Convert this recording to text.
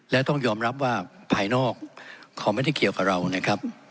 และต้องยอมรับว่าภายนอกเขาไม่ได้เกี่ยวกับเรานะครับ